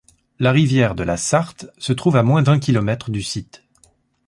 La rivière de la Sarthe se trouve à moins d'un kilomètre du site.